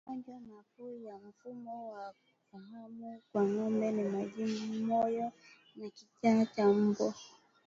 Magonjwa makuu ya mfumo wa fahamu kwa ngombe ni majimoyo na kichaa cha mbwa